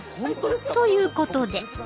ということで。